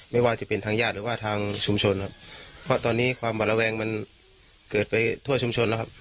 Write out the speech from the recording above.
ไม่ว่าจะเป็นทางญาติหรือว่าทางชุมชนครับเพราะตอนนี้ความหวัดระแวงมันเกิดไปทั่วชุมชนแล้วครับ